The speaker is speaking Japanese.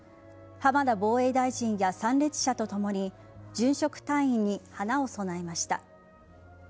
浜田防衛大臣や参列者とともに殉職隊員に花を供えました。